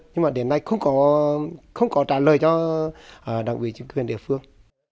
nhưng mà đến nay không có trả lời cho đảng quỹ chính quyền địa phương